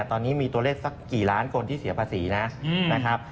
ตอนนี้มีตัวเลขสักกี่ล้านคนที่เสียภาษีนะครับ